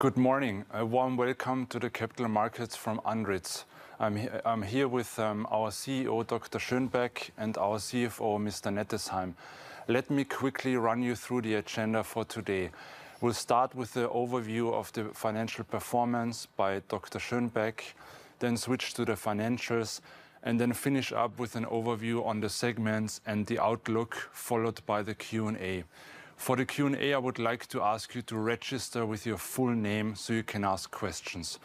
Good morning. A warm welcome to the Capital Markets from Andritz. I'm here with our CEO, Dr. Schönbeck, and our CFO, Mr. Nettesheim. Let me quickly run you through the agenda for today. We'll start with the overview of the financial performance by Dr. Schönbeck, then switch to the financials, and then finish up with an overview on the segments and the outlook, followed by the Q&A. For the Q&A, I would like to ask you to register with your full name so you can ask questions.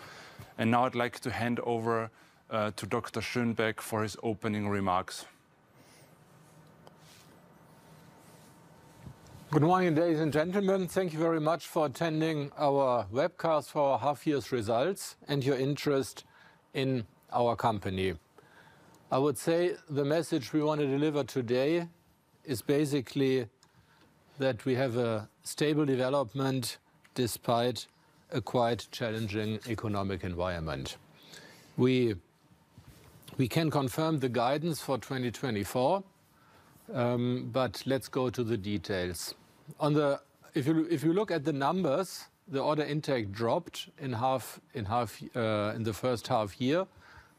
Now I'd like to hand over to Dr. Schönbeck for his opening remarks. Good morning, ladies and gentlemen. Thank you very much for attending our webcast for our half year's results, and your interest in our company. I would say the message we want to deliver today is basically that we have a stable development despite a quite challenging economic environment. We can confirm the guidance for 2024, but let's go to the details. If you look at the numbers, the order intake dropped in half in the first half year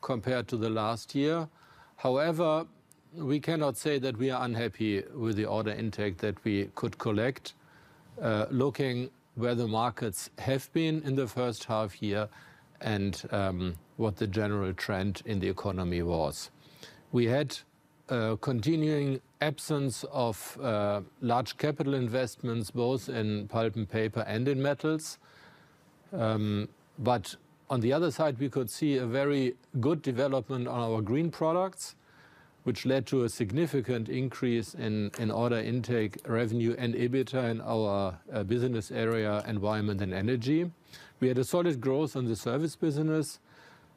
compared to the last year. However, we cannot say that we are unhappy with the order intake that we could collect, looking where the markets have been in the first half year and what the general trend in the economy was. We had a continuing absence of large capital investments, both in pulp and paper and in metals. But on the other side, we could see a very good development on our green products, which led to a significant increase in order intake, revenue, and EBITDA in our business area, environment and energy. We had a solid growth on the service business,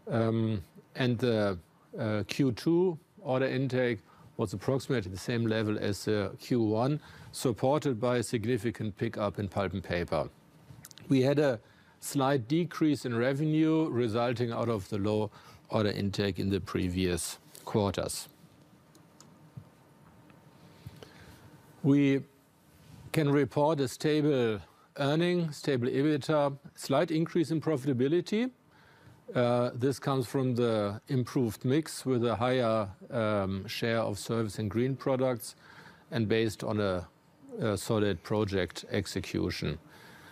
and the Q2 order intake was approximately the same level as Q1, supported by a significant pickup in pulp and paper. We had a slight decrease in revenue resulting out of the low order intake in the previous quarters. We can report a stable earning, stable EBITDA, slight increase in profitability. This comes from the improved mix with a higher share of service and green products, and based on a solid project execution.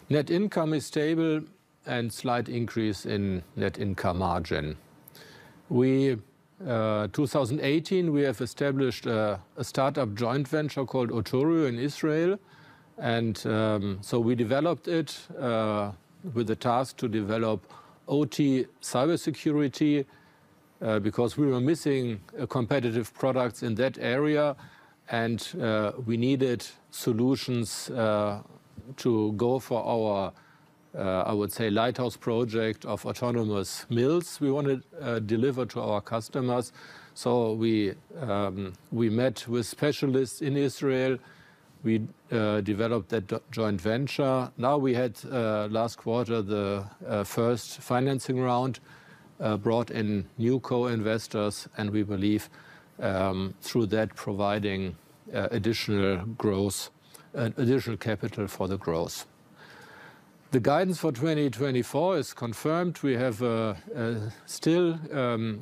Net income is stable and slight increase in net income margin. In 2018, we have established a startup joint venture called OTORIO in Israel, and so we developed it with the task to develop OT cybersecurity because we were missing competitive products in that area and we needed solutions to go for our, I would say, lighthouse project of autonomous mills we want to deliver to our customers. So we met with specialists in Israel. We developed that joint venture. Now, we had last quarter the first financing round brought in new co-investors, and we believe through that providing additional growth... additional capital for the growth. The guidance for 2024 is confirmed. We have still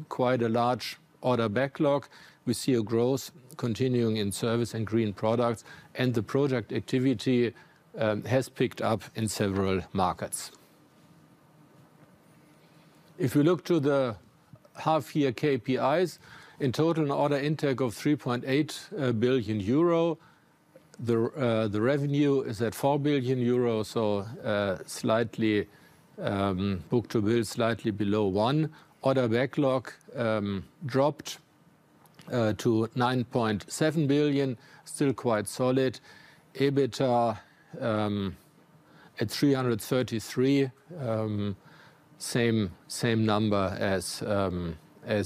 quite a large order backlog. We see a growth continuing in service and green products, and the project activity has picked up in several markets. If you look to the half year KPIs, in total, an order intake of 3.8 billion euro. The revenue is at 4 billion euro, so, slightly, book-to-bill, slightly below one. Order backlog dropped to 9.7 billion, still quite solid. EBITDA at 333 million, same number as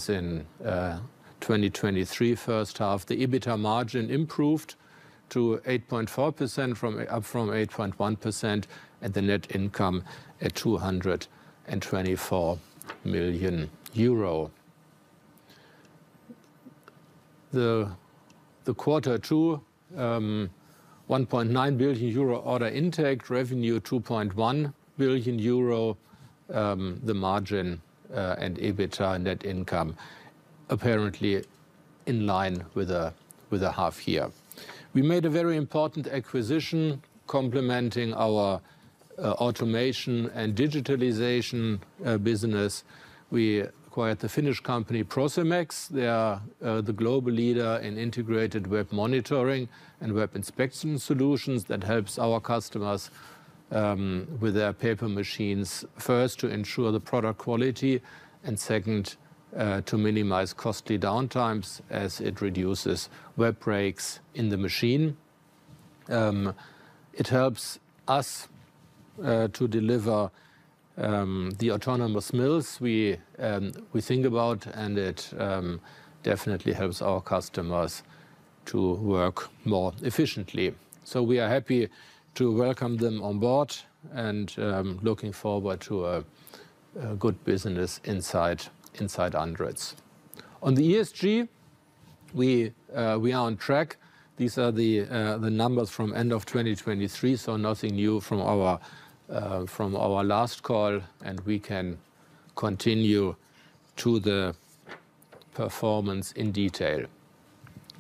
in 2023 first half. The EBITDA margin improved to 8.4%, up from 8.1%, and the net income at 224 million euro. The quarter two 1.9 billion euro order intake, revenue 2.1 billion euro, the margin and EBITDA net income apparently in line with a half year. We made a very important acquisition complementing our automation and digitalization business. We acquired the Finnish company, Procimex. They are the global leader in integrated web monitoring and web inspection solutions that helps our customers with their paper machines, first, to ensure the product quality, and second, to minimize costly downtimes as it reduces web breaks in the machine. It helps us to deliver the autonomous mills we think about, and it definitely helps our customers to work more efficiently. So we are happy to welcome them on board and looking forward to a good business inside Andritz. On the ESG... we are on track. These are the numbers from end of 2023, so nothing new from our last call, and we can continue to the performance in detail.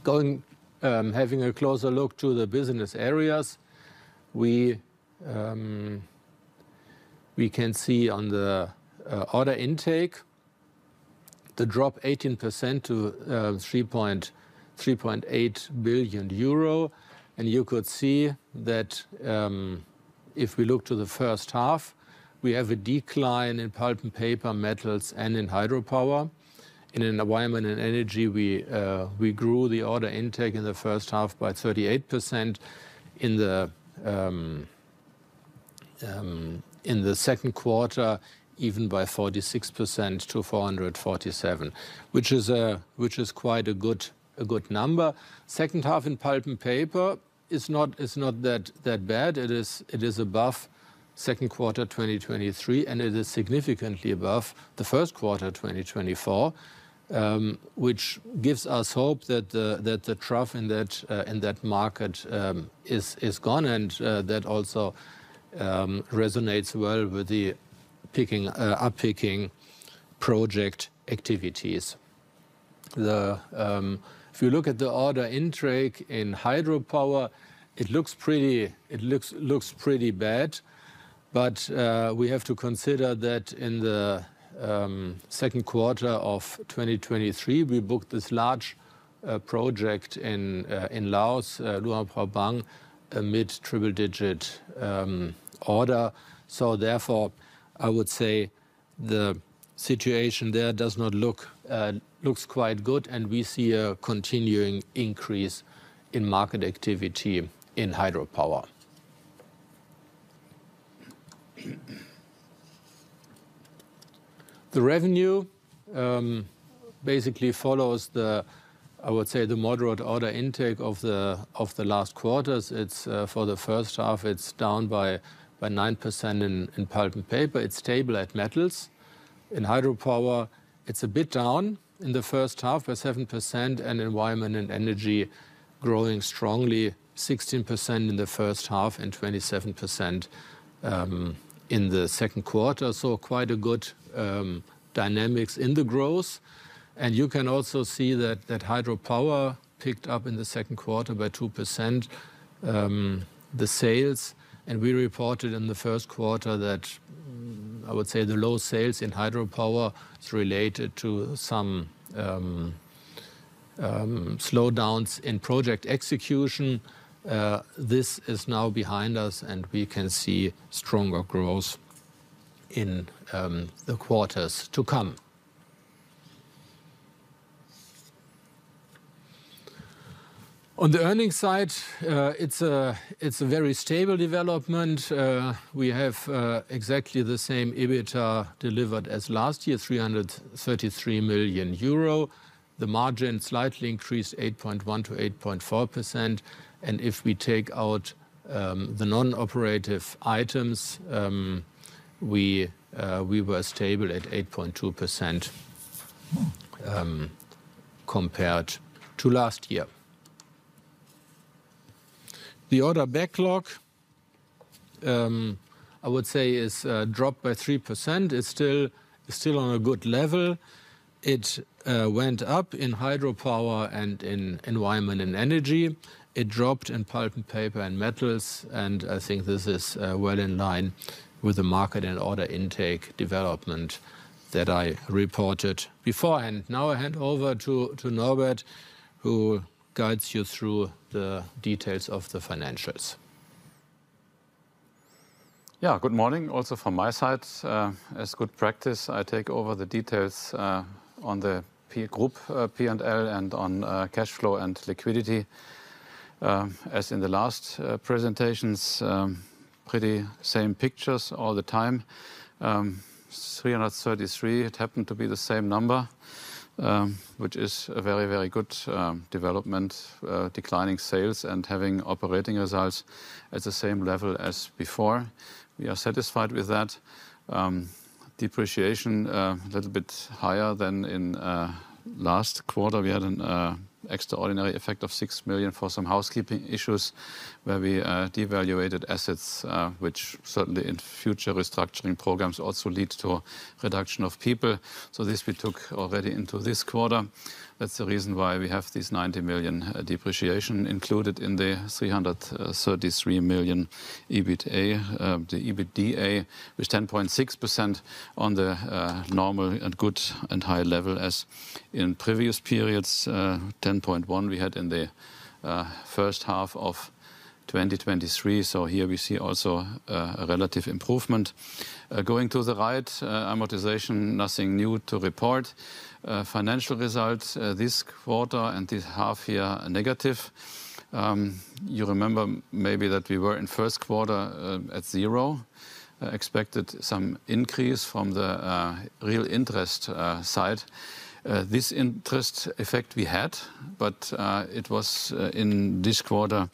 Going, having a closer look to the business areas, we, we can see on the order intake, the drop 18% to 3.8 billion euro. And you could see that, if we look to the first half, we have a decline in Pulp & Paper, Metals, and in Hydropower. And in Environment and Energy, we, we grew the order intake in the first half by 38%. In the second quarter, even by 46% to 447 million, which is quite a good number. Second half in Pulp & Paper is not that bad. It is above second quarter 2023, and it is significantly above the first quarter 2024, which gives us hope that the trough in that market is gone, and that also resonates well with the picking up project activities. If you look at the order intake in Hydropower, it looks pretty bad, but we have to consider that in the second quarter of 2023, we booked this large project in Laos, Luang Prabang, a mid-triple digit order. So therefore, I would say the situation there looks quite good, and we see a continuing increase in market activity in Hydropower. The revenue basically follows the moderate order intake of the last quarters. It's for the first half; it's down by nine percent in Pulp & Paper. It's stable at Metals. In Hydropower, it's a bit down in the first half by 7%, and Environment & Energy growing strongly, 16% in the first half and 27% in the second quarter. So quite a good dynamics in the growth. And you can also see that Hydropower picked up in the second quarter by 2%, the sales. And we reported in the first quarter that I would say, the low sales in Hydropower is related to some slowdowns in project execution. This is now behind us, and we can see stronger growth in the quarters to come. On the earnings side, it's a very stable development. We have exactly the same EBITDA delivered as last year, 333 million euro. The margin slightly increased, 8.1% to 8.4%. And if we take out the non-operative items, we were stable at 8.2%, compared to last year. The order backlog, I would say, is dropped by 3%. It's still, it's still on a good level. It went up in Hydropower and in Environment and Energy. It dropped in Pulp & Paper and Metals, and I think this is well in line with the market and order intake development that I reported beforehand. Now, I hand over to Norbert, who guides you through the details of the financials. Yeah, good morning, also from my side. As good practice, I take over the details on the Pulp & Paper group, P&L and on cash flow and liquidity. As in the last presentations, pretty same pictures all the time. 333, it happened to be the same number, which is a very, very good development, declining sales and having operating results at the same level as before. We are satisfied with that. Depreciation, a little bit higher than in last quarter. We had an extraordinary effect of 6 million for some housekeeping issues, where we devalued assets, which certainly in future restructuring programs also lead to a reduction of people. So this we took already into this quarter. That's the reason why we have this 90 million depreciation included in the 333 million EBITDA, with 10.6% on the normal and good and high level as in previous periods. 10.1% we had in the first half of 2023, so here we see also a relative improvement. Going to the right, amortization, nothing new to report. Financial results this quarter and this half year, negative. You remember maybe that we were in first quarter at zero, expected some increase from the real interest side. This interest effect we had, but it was in this quarter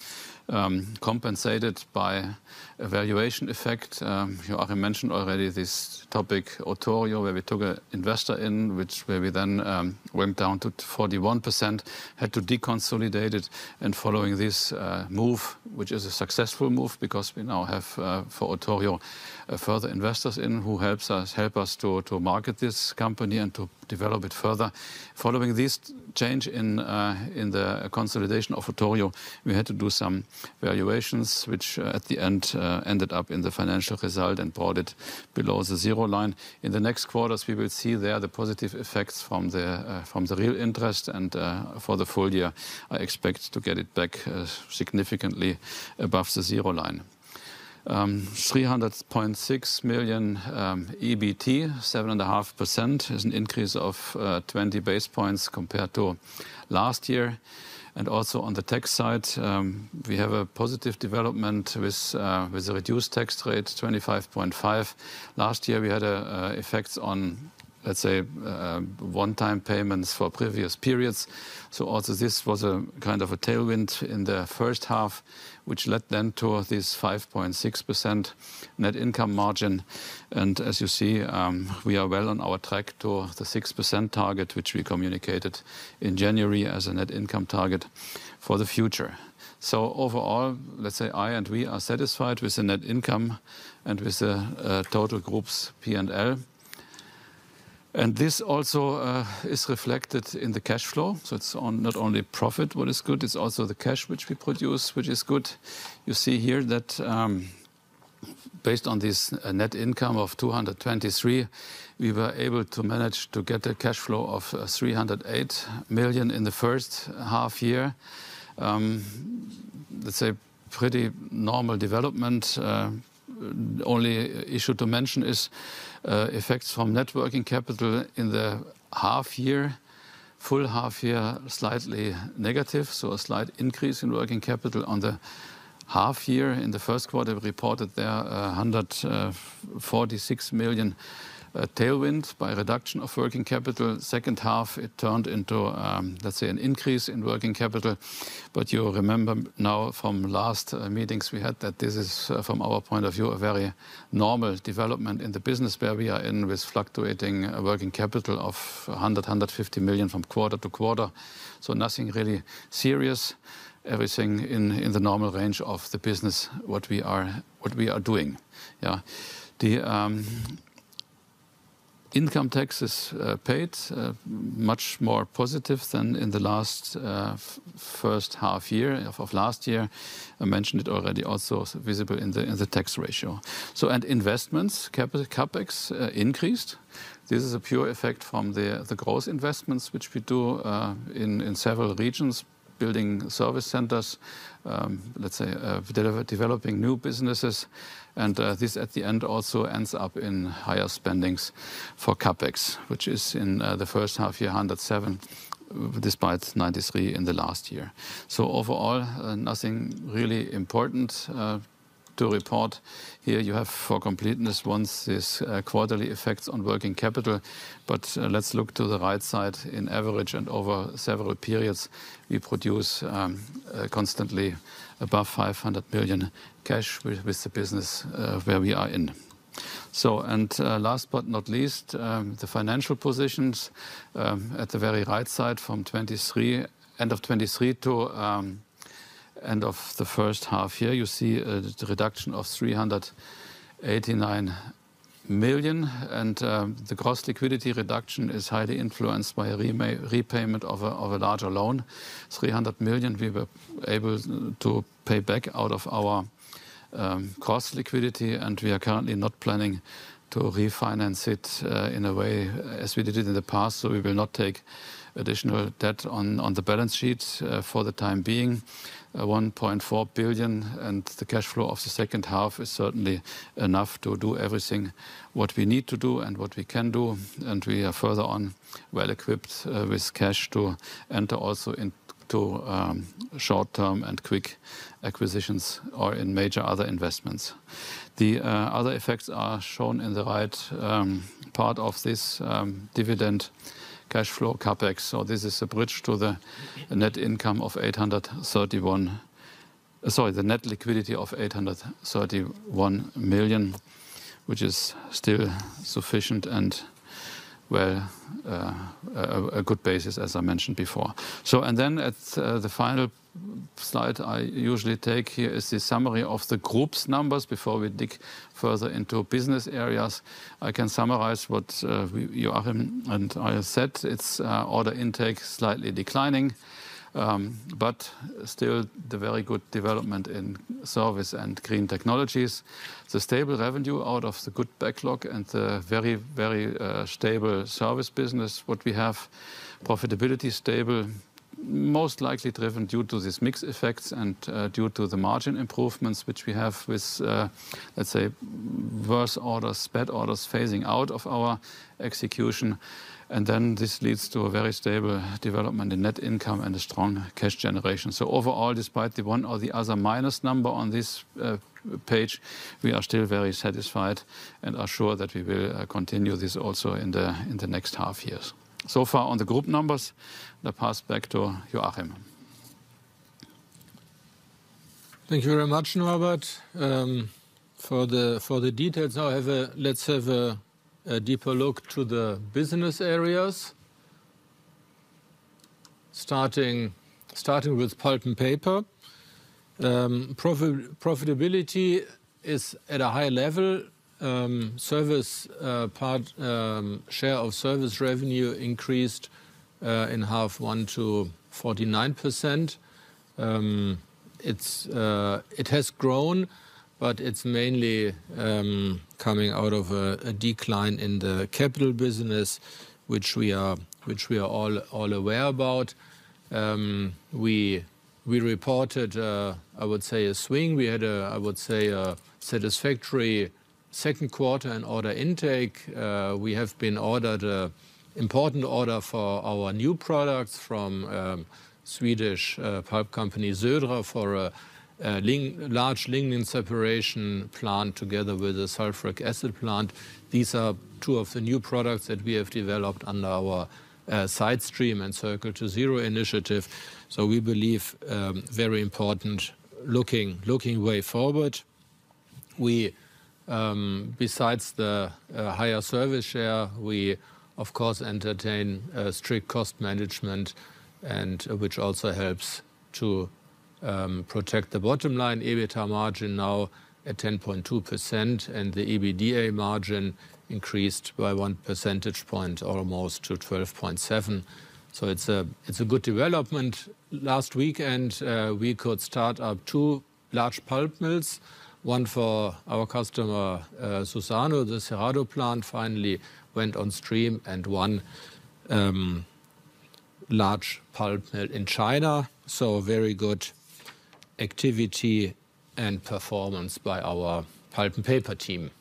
compensated by a valuation effect. Joachim mentioned already this topic, OTORIO, where we took an investor in, where we then went down to 41%, had to deconsolidate it. And following this move, which is a successful move, because we now have for OTORIO further investors in, who help us to market this company and to develop it further. Following this change in the consolidation of OTORIO, we had to do some valuations, which at the end ended up in the financial result and brought it below the zero line. In the next quarters, we will see there the positive effects from the real interest, and for the full year, I expect to get it back significantly above the zero line. 300.6 million EBT, 7.5%, is an increase of 20 base points compared to last year. And also on the tax side, we have a positive development with a reduced tax rate, 25.5%. Last year, we had a effect on, let's say, one-time payments for previous periods. So also this was a kind of a tailwind in the first half, which led then to this 5.6% net income margin. And as you see, we are well on our track to the 6% target, which we communicated in January as a net income target for the future. So overall, let's say I and we are satisfied with the net income and with the total group's P&L. This also is reflected in the cash flow, so it's not only profit what is good, it's also the cash which we produce, which is good. You see here that, based on this net income of 223 million, we were able to manage to get a cash flow of 308 million in the first half year. It's a pretty normal development. Only issue to mention is effects from net working capital in the half year, full half year, slightly negative, so a slight increase in working capital on the half year. In the first quarter, we reported there a 146 million tailwind by reduction of working capital. Second half, it turned into, let's say, an increase in working capital. But you remember now from last meetings we had, that this is from our point of view, a very normal development in the business where we are in with fluctuating working capital of 100-150 million from quarter to quarter. So nothing really serious, everything in the normal range of the business, what we are doing. Yeah. The income tax is paid much more positive than in the last first half year of last year. I mentioned it already, also visible in the tax ratio. So investments, capital CapEx increased. This is a pure effect from the growth investments, which we do in several regions, building service centers, let's say, developing new businesses. And, this at the end, also ends up in higher spendings for CapEx, which is in the first half year, 107, despite 93 in the last year. So overall, nothing really important to report. Here you have, for completeness, on this quarterly effects on working capital, but let's look to the right side. On average and over several periods, we produce constantly above 500 million cash with the business where we are in. So, and last but not least, the financial positions at the very right side, from end of 2023 to end of the first half year, you see the reduction of 389 million. And, the cash liquidity reduction is highly influenced by a repayment of a larger loan. 300 million, we were able to pay back out of our cash liquidity, and we are currently not planning to refinance it, in a way, as we did it in the past. So we will not take additional debt on, on the balance sheet, for the time being. One point four billion, and the cash flow of the second half is certainly enough to do everything, what we need to do and what we can do, and we are further on well-equipped, with cash to enter also into, short-term and quick acquisitions or in major other investments. The other effects are shown in the right part of this dividend cash flow CapEx. So this is a bridge to the net income of 831... Sorry, the net liquidity of 831 million, which is still sufficient and, well, a good basis, as I mentioned before. So and then at the final slide I usually take here is the summary of the group's numbers before we dig further into business areas. I can summarize what we, Joachim and I said, it's order intake slightly declining, but still the very good development in service and green technologies. The stable revenue out of the good backlog and the very, very stable service business, what we have. Profitability stable, most likely driven due to this mix effects and due to the margin improvements which we have with, let's say, worse orders, bad orders, phasing out of our execution. And then this leads to a very stable development in net income and a strong cash generation. So overall, despite the one or the other minus number on this page, we are still very satisfied and are sure that we will continue this also in the next half years. So far on the group numbers, I pass back to Joachim. Thank you very much, Norbert. For the details, however, let's have a deeper look to the business areas. Starting with pulp and paper. Profitability is at a high level. Service part share of service revenue increased in H1 to 49%. It has grown, but it's mainly coming out of a decline in the capital business, which we are all aware about. We reported, I would say, a swing. We had, I would say, a satisfactory second quarter and order intake. We have been ordered an important order for our new products from Swedish pulp company Södra for a large lignin separation plant together with a sulfuric acid plant. These are two of the new products that we have developed under our side stream and Circle to Zero initiative. So we believe very important looking way forward. Besides the higher service share, we of course entertain a strict cost management, and which also helps to protect the bottom line EBITDA margin now at 10.2%, and the EBITDA margin increased by one percentage point almost to 12.7. So it's a good development. Last weekend, we could start up two large pulp mills, one for our customer Suzano. The Cerrado plant finally went on stream, and one large pulp mill in China. So a very good activity and performance by our pulp and paper team.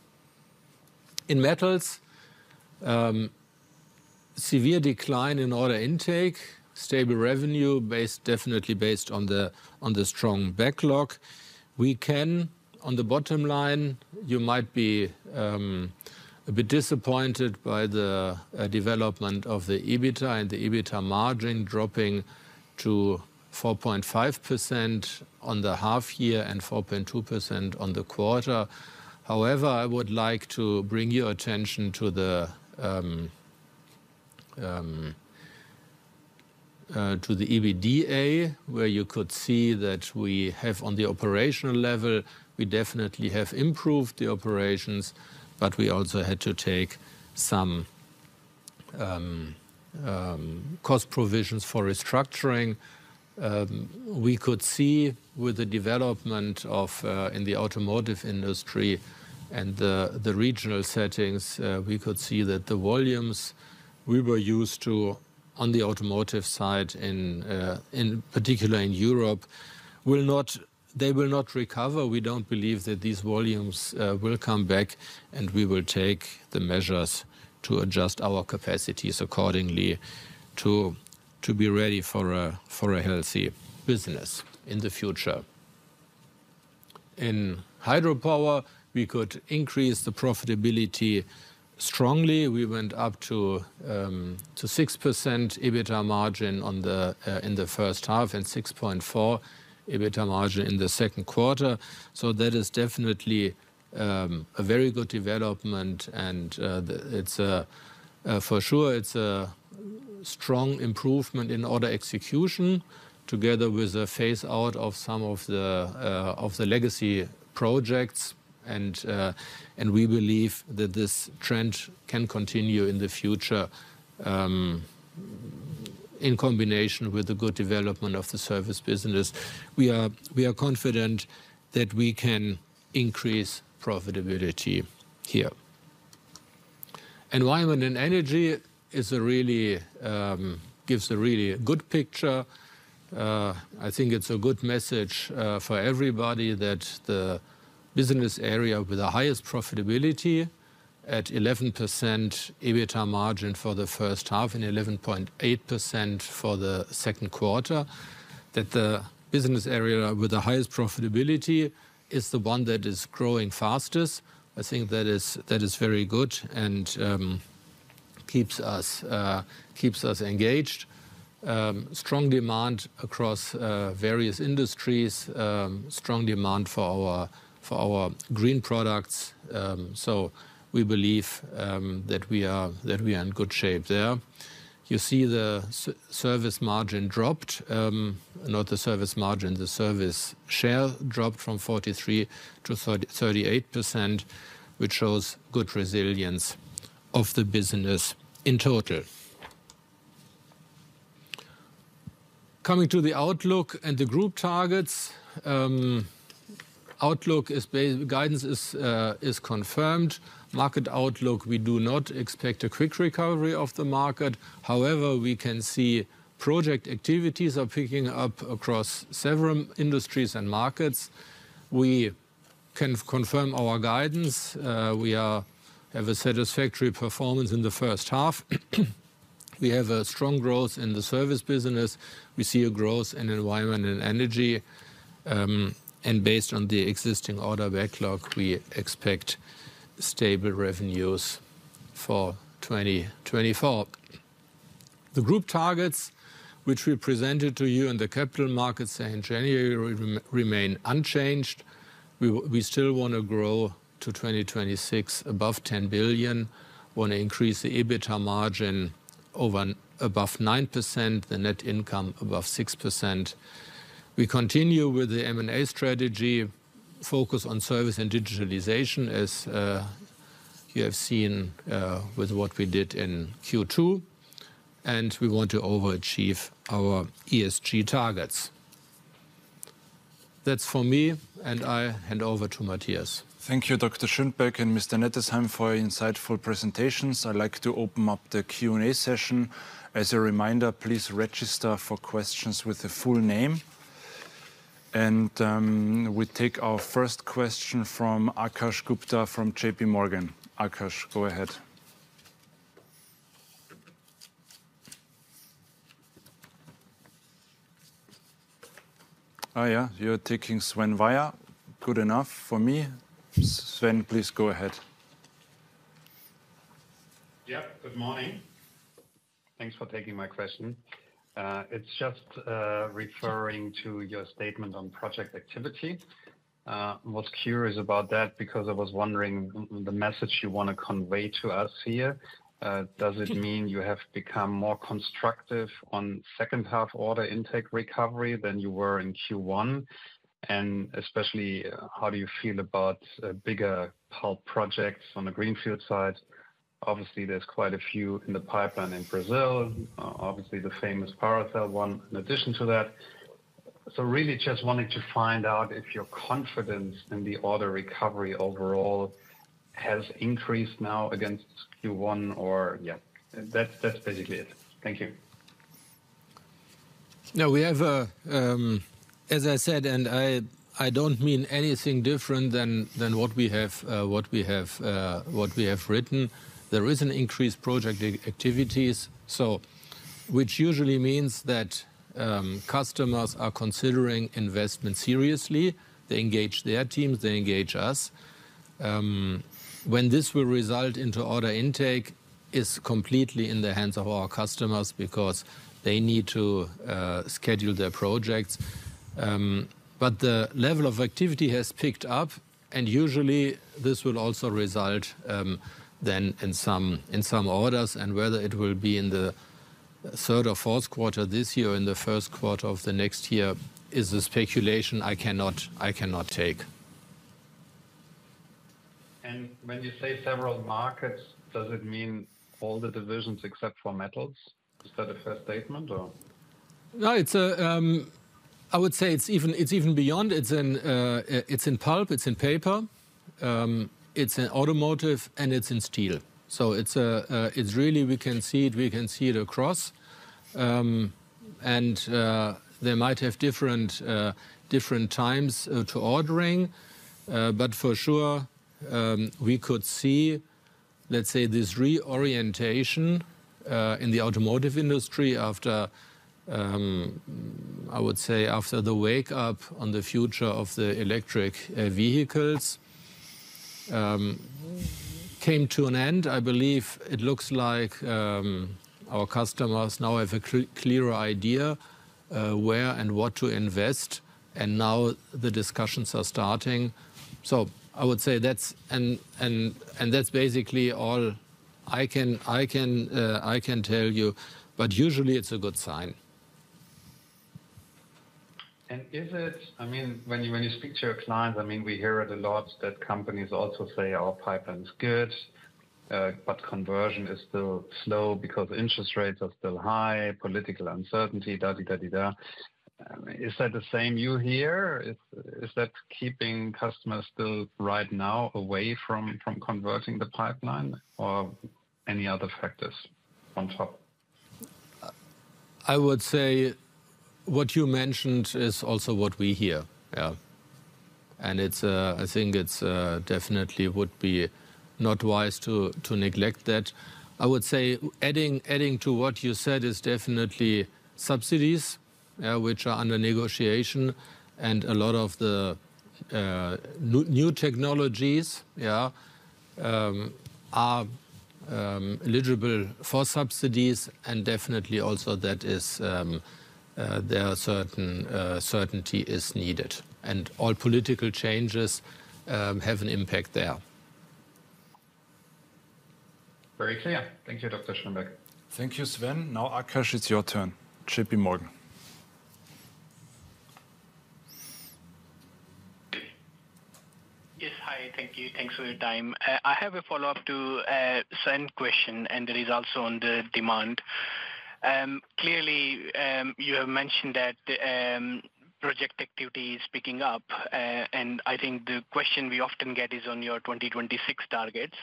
In metals, severe decline in order intake, stable revenue, based definitely based on the strong backlog. We can, on the bottom line, you might be a bit disappointed by the development of the EBITDA and the EBITDA margin dropping to 4.5% on the half year and 4.2% on the quarter. However, I would like to bring your attention to the EBITDA, where you could see that we have, on the operational level, we definitely have improved the operations, but we also had to take some cost provisions for restructuring. We could see with the development of in the automotive industry and the regional settings, we could see that the volumes we were used to on the automotive side in particular in Europe, will not, they will not recover. We don't believe that these volumes will come back, and we will take the measures to adjust our capacities accordingly to be ready for a healthy business in the future. In hydropower, we could increase the profitability strongly. We went up to 6% EBITDA margin in the first half and 6.4% EBITDA margin in the second quarter. So that is definitely a very good development, and it's for sure it's a strong improvement in order execution, together with a phase-out of some of the legacy projects. And we believe that this trend can continue in the future, in combination with the good development of the service business. We are confident that we can increase profitability here. Environment and energy is a really... gives a really good picture. I think it's a good message, for everybody that the business area with the highest profitability, at 11% EBITDA margin for the first half and 11.8% for the second quarter, that the business area with the highest profitability is the one that is growing fastest. I think that is, that is very good and, keeps us, keeps us engaged. Strong demand across various industries, strong demand for our, for our green products. So we believe, that we are, that we are in good shape there. You see, the service margin dropped, not the service margin, the service share dropped from 43% to 38%, which shows good resilience of the business in total. Coming to the outlook and the group targets, outlook, guidance is confirmed. Market outlook, we do not expect a quick recovery of the market. However, we can see project activities are picking up across several industries and markets. We can confirm our guidance. We have a satisfactory performance in the first half. We have a strong growth in the service business. We see a growth in environment and energy. And based on the existing order backlog, we expect stable revenues for 2024. The group targets, which we presented to you in the capital markets in January, remain unchanged. We still want to grow to 2026, above 10 billion. We want to increase the EBITDA margin over and above 9%, the net income above 6%. We continue with the M&A strategy, focus on service and digitalization, as you have seen, with what we did in Q2, and we want to overachieve our ESG targets. That's for me, and I hand over to Matthias. Thank you, Dr. Schönbeck and Mr. Nettesheim, for your insightful presentations. I'd like to open up the Q&A session. As a reminder, please register for questions with the full name.... We take our first question from Akash Gupta from JPMorgan. Akash, go ahead. Oh, yeah, you're taking Sven Weier. Good enough for me. Sven, please go ahead. Yeah, good morning. Thanks for taking my question. It's just referring to your statement on project activity. Was curious about that because I was wondering the message you want to convey to us here. Does it mean you have become more constructive on second half order intake recovery than you were in Q1? And especially, how do you feel about bigger pulp projects on the Greenfield side? Obviously, there's quite a few in the pipeline in Brazil, obviously, the famous Paracel one, in addition to that. So really, just wanted to find out if your confidence in the order recovery overall has increased now against Q1, or, yeah. That's, that's basically it. Thank you. No, we have a, as I said, and I don't mean anything different than what we have written. There is an increased project activities, so which usually means that customers are considering investment seriously. They engage their teams, they engage us. When this will result into order intake is completely in the hands of our customers because they need to schedule their projects. But the level of activity has picked up, and usually, this will also result then in some orders, and whether it will be in the third or fourth quarter this year or in the first quarter of the next year, is a speculation I cannot take. When you say several markets, does it mean all the divisions except for metals? Is that a fair statement, or? No, it's a, I would say it's even, it's even beyond. It's in, it's in pulp, it's in paper, it's in automotive, and it's in steel. So it's a, a, it's really we can see it, we can see it across. And, they might have different, different times, to ordering, but for sure, we could see, let's say, this reorientation, in the automotive industry after, I would say, after the wake up on the future of the electric, vehicles, came to an end. I believe it looks like, our customers now have a clearer idea, where and what to invest, and now the discussions are starting. So I would say that's... And, and, and that's basically all I can, I can, I can tell you, but usually it's a good sign. Is it, I mean, when you, when you speak to your clients, I mean, we hear it a lot, that companies also say our pipeline is good, but conversion is still slow because interest rates are still high, political uncertainty, da, di, da, di, da. Is that the same you hear? Is, is that keeping customers still right now away from, from converting the pipeline or any other factors on top? I would say what you mentioned is also what we hear. Yeah. And it's, I think it's, definitely would be not wise to neglect that. I would say adding to what you said, is definitely subsidies, which are under negotiation, and a lot of the, new technologies, yeah, are eligible for subsidies, and definitely also that is, there are certain, certainty is needed, and all political changes, have an impact there. Very clear. Thank you, Dr. Schönbeck. Thank you, Sven. Now, Akash, it's your turn. JPMorgan. Yes. Hi, thank you. Thanks for your time. I have a follow-up to Sven's question, and it is also on the demand. Clearly, you have mentioned that project activity is picking up, and I think the question we often get is on your 2026 targets.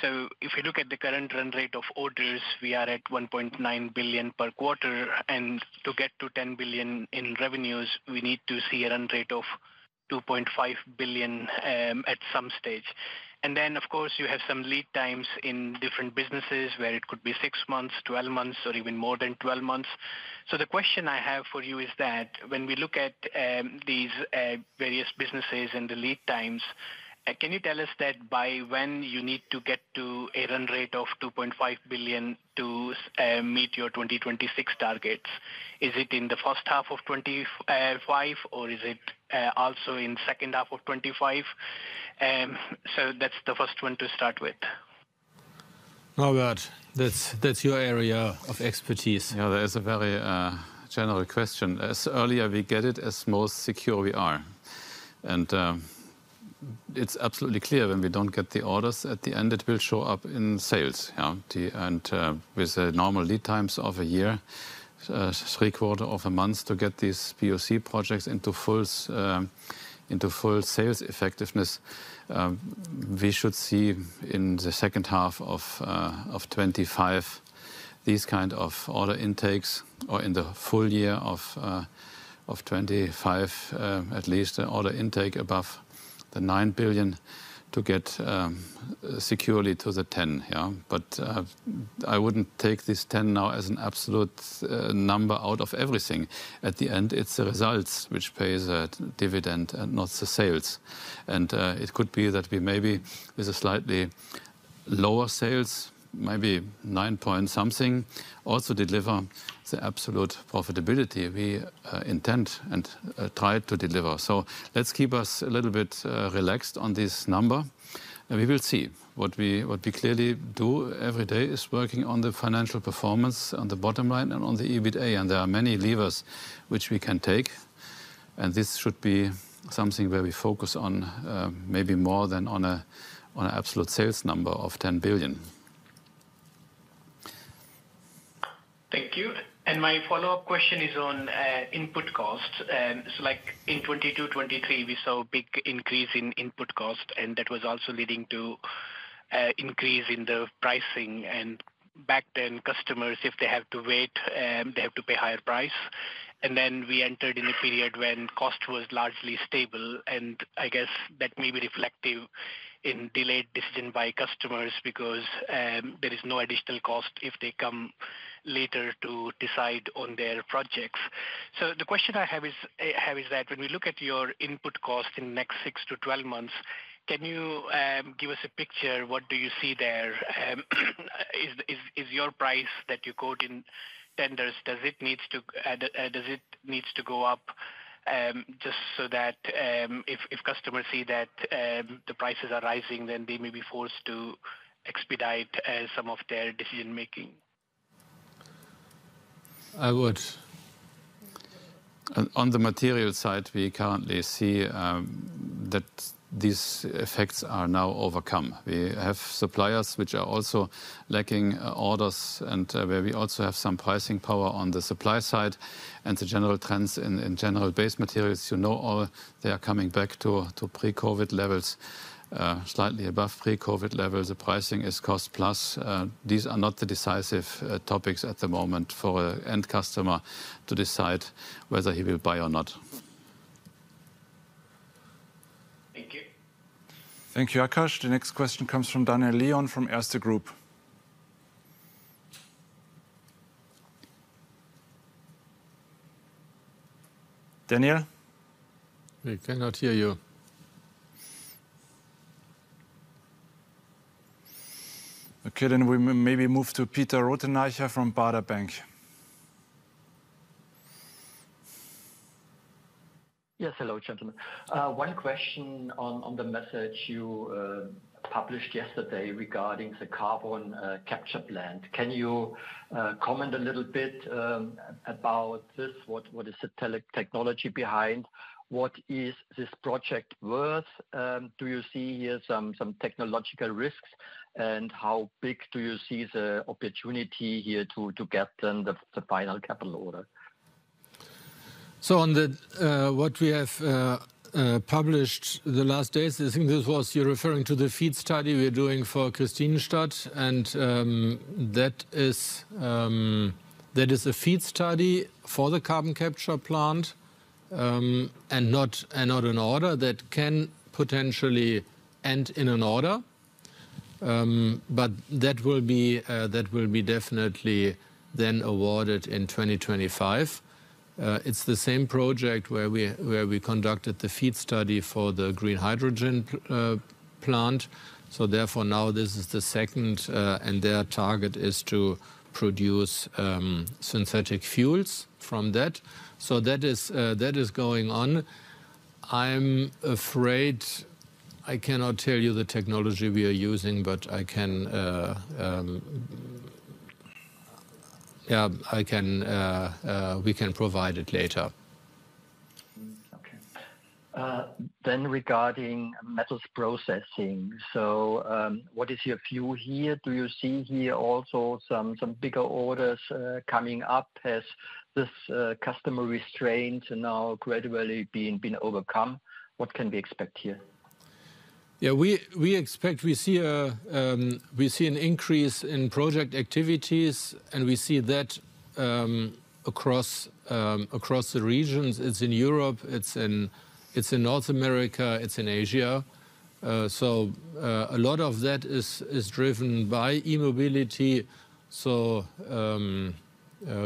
So if you look at the current run rate of orders, we are at 1.9 billion per quarter, and to get to 10 billion in revenues, we need to see a run rate of 2.5 billion at some stage. And then, of course, you have some lead times in different businesses, where it could be 6 months, 12 months, or even more than 12 months. So the question I have for you is that, when we look at, these, various businesses and the lead times, can you tell us that by when you need to get to a run rate of 2.5 billion to, meet your 2026 targets? Is it in the first half of 2025, or is it, also in second half of 2025? So that's the first one to start with. Norbert, that's, that's your area of expertise. Yeah, that is a very general question. As earlier we get it, as most secure we are. And, it's absolutely clear when we don't get the orders, at the end it will show up in sales, yeah. And, with the normal lead times of a year, three quarter of a month to get these POC projects into full,... into full sales effectiveness, we should see in the second half of 2025, these kind of order intakes, or in the full year of 2025, at least order intake above the 9 billion to get, securely to the 10 billion, yeah? But, I wouldn't take this 10 now as an absolute, number out of everything. At the end, it's the results which pays a dividend and not the sales. And, it could be that we maybe with a slightly lower sales, maybe EUR 9-point-something billion, also deliver the absolute profitability we, intend and, try to deliver. So let's keep us a little bit, relaxed on this number, and we will see. What we clearly do every day is working on the financial performance, on the bottom line, and on the EBITDA, and there are many levers which we can take, and this should be something where we focus on, maybe more than on an absolute sales number of 10 billion. Thank you. And my follow-up question is on input costs. So like in 2022, 2023, we saw a big increase in input cost, and that was also leading to increase in the pricing. And back then, customers, if they have to wait, they have to pay higher price. And then we entered in a period when cost was largely stable, and I guess that may be reflective in delayed decision by customers because there is no additional cost if they come later to decide on their projects. So the question I have is, have is that when we look at your input cost in the next 6-12 months, can you give us a picture, what do you see there? Is, is, is your price that you quote in tenders, does it needs to... Does it needs to go up, just so that, if customers see that the prices are rising, then they may be forced to expedite some of their decision making? I would. On the material side, we currently see that these effects are now overcome. We have suppliers which are also lacking orders and where we also have some pricing power on the supply side. And the general trends in general base materials, you know, they are coming back to pre-COVID levels, slightly above pre-COVID levels. The pricing is cost plus. These are not the decisive topics at the moment for an end customer to decide whether he will buy or not. Thank you. Thank you, Akash. The next question comes from Daniel Lion from Erste Group. Daniel? We cannot hear you. Okay, then we maybe move to Peter Rothenbacher from Baader Bank. Yes. Hello, gentlemen. One question on the message you published yesterday regarding the carbon capture plant. Can you comment a little bit about this? What is the technology behind? What is this project worth? Do you see here some technological risks? And how big do you see the opportunity here to get then the final capital order? So, on the what we have published the last days, I think this was... You're referring to the feed study we're doing for Kristinestad, and, that is, that is a feed study for the carbon capture plant, and not, and not an order that can potentially end in an order. But that will be, that will be definitely then awarded in 2025. It's the same project where we, where we conducted the feed study for the green hydrogen plant, so therefore, now this is the second, and their target is to produce, synthetic fuels from that. So that is, that is going on. I'm afraid I cannot tell you the technology we are using, but I can... Yeah, I can, we can provide it later. Okay. Then regarding metals processing, what is your view here? Do you see here also some bigger orders coming up? Has this customer restraint now gradually been overcome? What can we expect here? Yeah, we expect—we see an increase in project activities, and we see that across the regions. It's in Europe, it's in North America, it's in Asia. So a lot of that is driven by e-mobility. So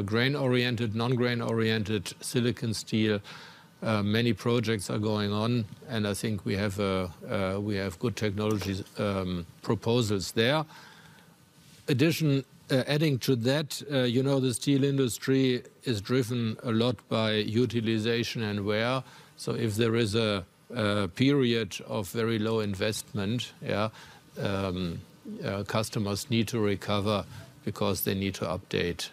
grain-oriented, non-grain-oriented silicon steel, many projects are going on, and I think we have good technologies proposals there. In addition, adding to that, you know, the steel industry is driven a lot by utilization and wear. So if there is a period of very low investment, yeah, customers need to recover because they need to update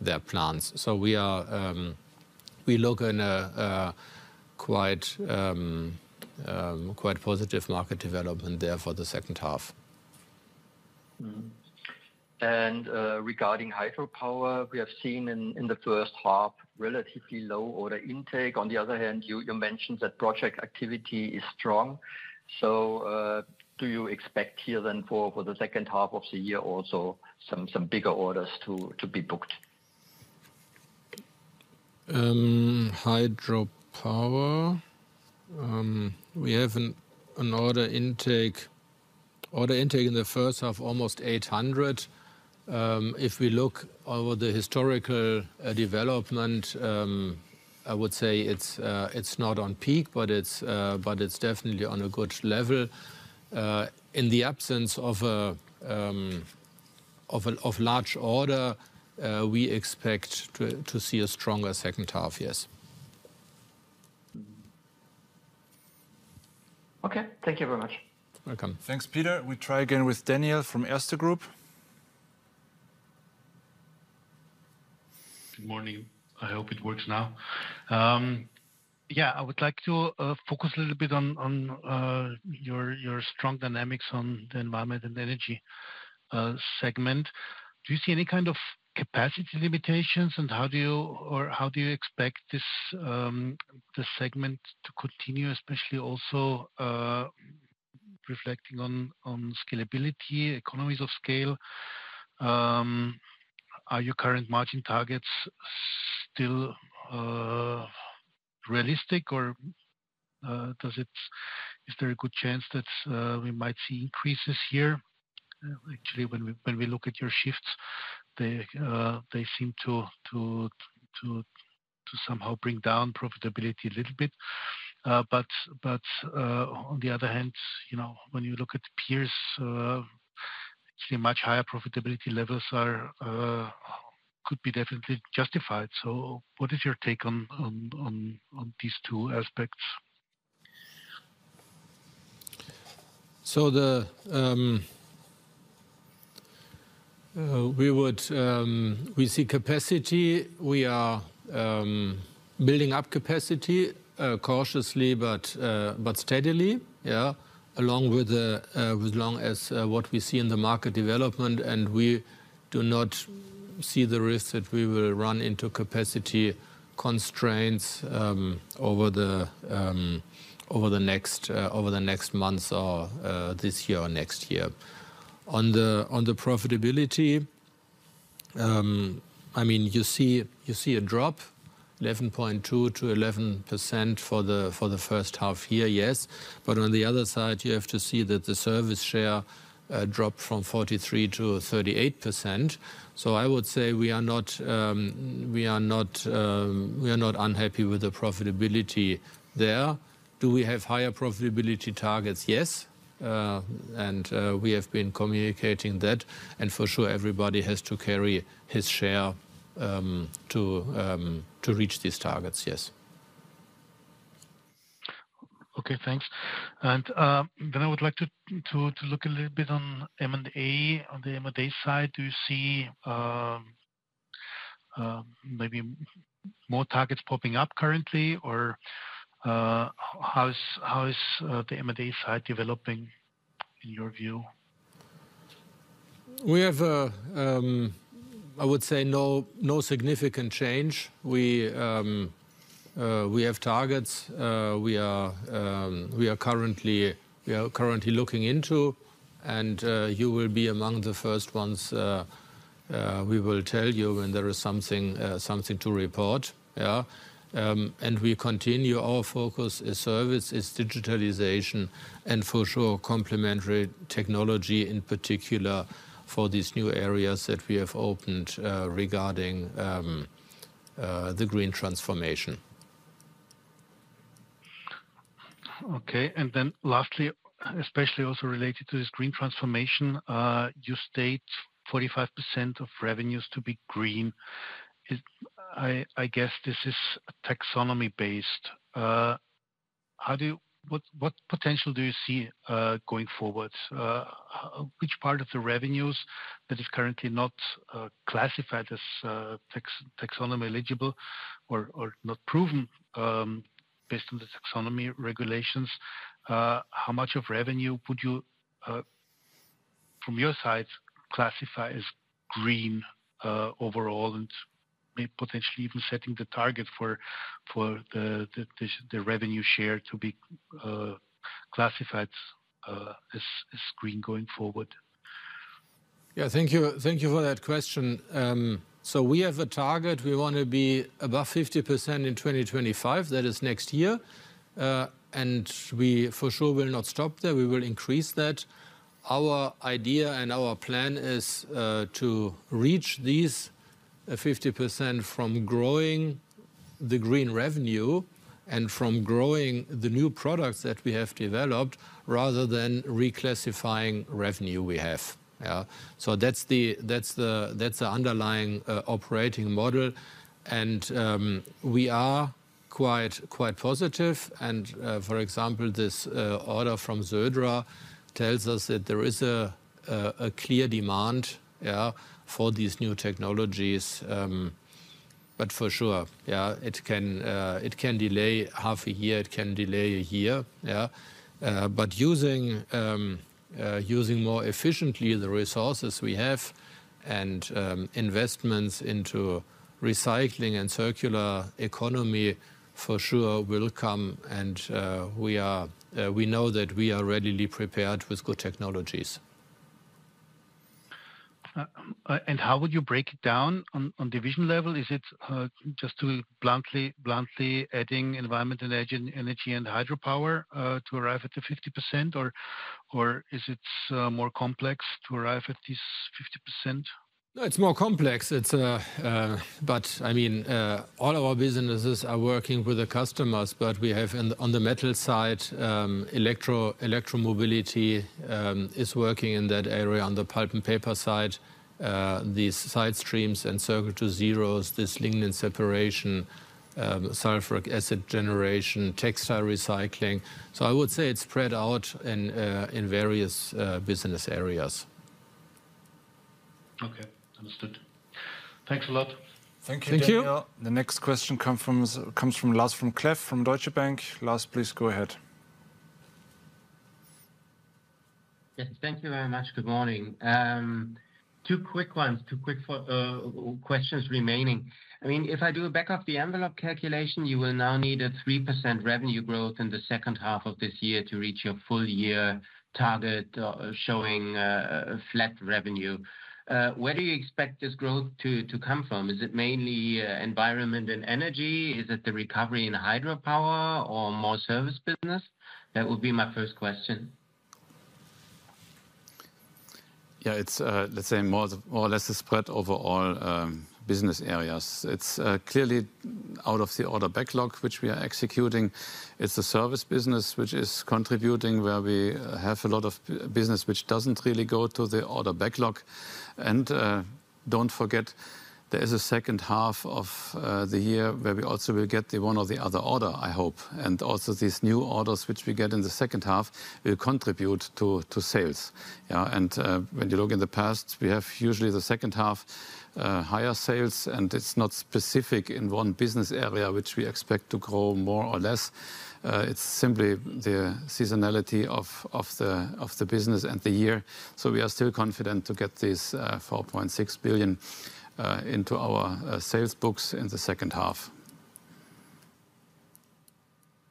their plants. So we are. We look in a quite quite positive market development there for the second half.... Mm-hmm. And, regarding hydropower, we have seen in the first half, relatively low order intake. On the other hand, you mentioned that project activity is strong. So, do you expect here then for the second half of the year also some bigger orders to be booked? Hydropower, we have an order intake in the first half, almost 800. If we look over the historical development, I would say it's not on peak, but it's definitely on a good level. In the absence of a large order, we expect to see a stronger second half, yes. Mm-hmm. Okay, thank you very much. Welcome. Thanks, Peter. We try again with Daniel from Erste Group. Good morning. I hope it works now. Yeah, I would like to focus a little bit on your strong dynamics on the environment and energy segment. Do you see any kind of capacity limitations? And how do you expect this segment to continue, especially also reflecting on scalability, economies of scale? Are your current margin targets still realistic, or is there a good chance that we might see increases here? Actually, when we look at your shifts, they seem to somehow bring down profitability a little bit. But on the other hand, you know, when you look at peers see much higher profitability levels are could be definitely justified. What is your take on these two aspects? So we see capacity. We are building up capacity cautiously, but steadily, yeah, along with what we see in the market development, and we do not see the risk that we will run into capacity constraints over the next months or this year or next year. On the profitability, I mean, you see a drop, 11.2%-11% for the first half year, yes. But on the other side, you have to see that the service share dropped from 43%-38%. So I would say, we are not unhappy with the profitability there. Do we have higher profitability targets? Yes. We have been communicating that, and for sure, everybody has to carry his share, to reach these targets, yes. Okay, thanks. And, then I would like to look a little bit on M&A. On the M&A side, do you see maybe more targets popping up currently? Or, how is the M&A side developing in your view? We have a, I would say, no, no significant change. We have targets. We are currently looking into, and you will be among the first ones, we will tell you when there is something to report, yeah. And we continue. Our focus is service, it's digitalization, and for sure, complementary technology, in particular, for these new areas that we have opened, regarding the green transformation. Okay, and then lastly, especially also related to this green transformation, you state 45% of revenues to be green. I guess this is Taxonomy-based. How do you... What potential do you see going forward? Which part of the revenues that is currently not classified as Taxonomy eligible or not proven, based on the Taxonomy regulations, how much of revenue would you from your side classify as green overall, and may potentially even setting the target for the revenue share to be classified as green going forward? Yeah, thank you. Thank you for that question. So we have a target. We want to be above 50% in 2025, that is next year. And we for sure will not stop there. We will increase that. Our idea and our plan is to reach these 50% from growing the green revenue and from growing the new products that we have developed, rather than reclassifying revenue we have, yeah. So that's the, that's the, that's the underlying operating model, and we are quite, quite positive. And for example, this order from Södra tells us that there is a clear demand, yeah, for these new technologies, but for sure, yeah, it can delay half a year, it can delay a year, yeah? But using more efficiently the resources we have and investments into recycling and circular economy for sure will come, and we are, we know that we are readily prepared with good technologies. And how would you break it down on division level? Is it just to bluntly adding environment and energy and hydropower to arrive at the 50%? Or is it more complex to arrive at this 50%? No, it's more complex. It's but I mean, all of our businesses are working with the customers, but we have on the metal side, electromobility is working in that area. On the pulp and paper side, these side streams and Circle to Zero, this lignin separation, sulfuric acid generation, textile recycling. So I would say it's spread out in various business areas. Okay. Understood. Thanks a lot. Thank you, Daniel. Thank you. The next question comes from Lars vom Cleff from Deutsche Bank. Lars, please go ahead. Yes, thank you very much. Good morning. Two quick questions remaining. I mean, if I do a back-of-the-envelope calculation, you will now need a 3% revenue growth in the second half of this year to reach your full year target, showing a flat revenue. Where do you expect this growth to come from? Is it mainly environment and energy? Is it the recovery in hydropower or more service business? That would be my first question. Yeah, it's, let's say, more or less a spread over all business areas. It's clearly out of the order backlog, which we are executing. It's the service business which is contributing, where we have a lot of business, which doesn't really go to the order backlog. And, don't forget, there is a second half of the year where we also will get the one or the other order, I hope, and also these new orders, which we get in the second half, will contribute to sales. Yeah, and, when you look in the past, we have usually the second half higher sales, and it's not specific in one business area, which we expect to grow more or less. It's simply the seasonality of the business and the year. So we are still confident to get this 4.6 billion into our sales books in the second half.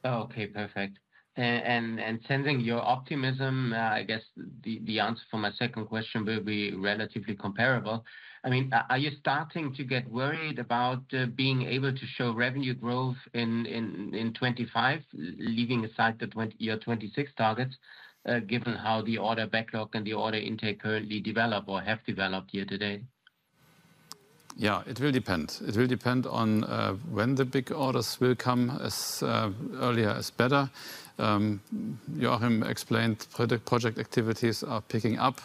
Oh, okay. Perfect. And sensing your optimism, I guess the answer for my second question will be relatively comparable. I mean, are you starting to get worried about being able to show revenue growth in 2025, leaving aside the twenty-year 2026 targets, given how the order backlog and the order intake currently develop or have developed year to date? Yeah, it will depend. It will depend on when the big orders will come, as earlier is better. Joachim explained project activities are picking up.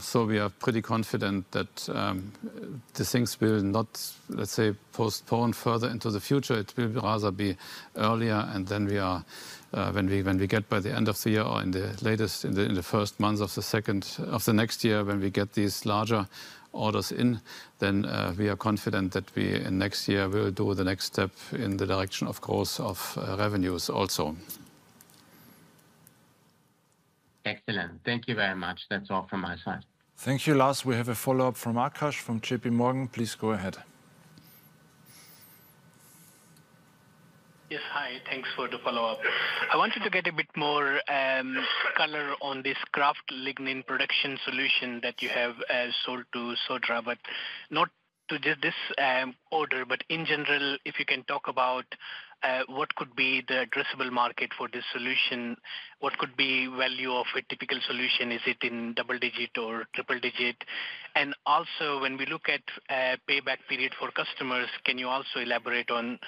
So we are pretty confident that the things will not, let's say, postpone further into the future. It will rather be earlier, and then we are when we get by the end of the year or in the latest in the first months of the second of the next year, when we get these larger orders in, then we are confident that we in next year will do the next step in the direction, of course, of revenues also. Excellent. Thank you very much. That's all from my side. Thank you, Lars. We have a follow-up from Akash from JPMorgan. Please go ahead. Yes, hi. Thanks for the follow-up. I wanted to get a bit more color on this Kraft lignin production solution that you have sold to Södra, but not to just this order, but in general, if you can talk about what could be the addressable market for this solution, what could be value of a typical solution? Is it in double digit or triple digit? And also, when we look at payback period for customers, can you also elaborate on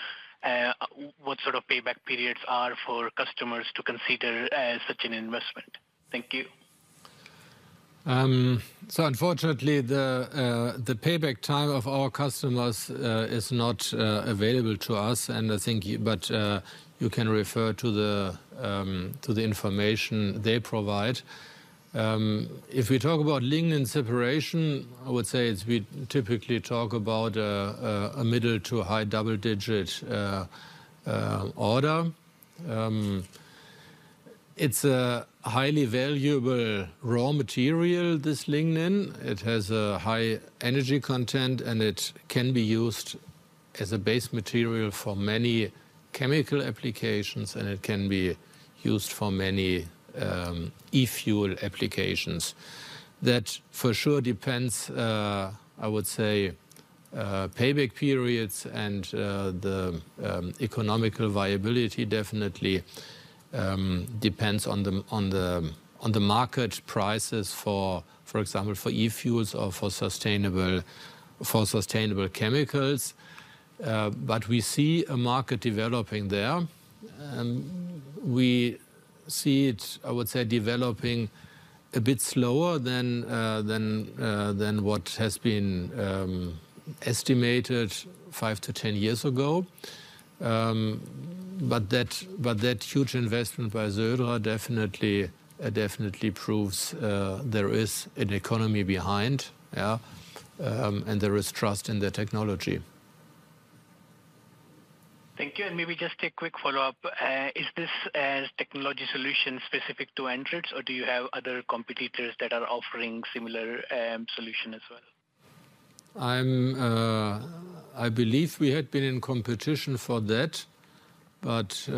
what sort of payback periods are for customers to consider such an investment? Thank you. So unfortunately, the payback time of our customers is not available to us, and I think you, but you can refer to the information they provide. If we talk about lignin separation, I would say it's we typically talk about a middle to high double digit order. It's a highly valuable raw material, this lignin. It has a high energy content, and it can be used as a base material for many chemical applications, and it can be used for many e-fuel applications. That for sure depends, I would say, payback periods and the economical viability definitely depends on the market prices for, for example, for e-fuels or for sustainable, for sustainable chemicals. But we see a market developing there. We see it, I would say, developing a bit slower than what has been estimated 5-10 years ago. But that huge investment by Södra definitely proves there is an economy behind, yeah, and there is trust in the technology. Thank you, and maybe just a quick follow-up. Is this a technology solution specific to Andritz, or do you have other competitors that are offering similar solution as well? I believe we had been in competition for that, but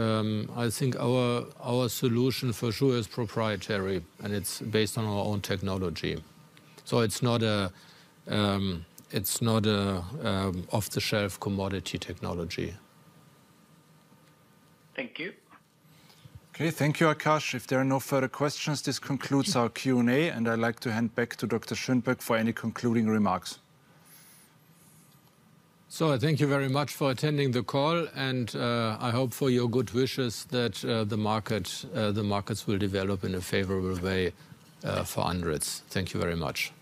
I think our solution for sure is proprietary, and it's based on our own technology. So it's not a off-the-shelf commodity technology. Thank you. Okay. Thank you, Akash. If there are no further questions, this concludes our Q&A, and I'd like to hand back to Dr. Schönbeck for any concluding remarks. Thank you very much for attending the call, and I hope for your good wishes that the markets will develop in a favorable way for Andritz. Thank you very much.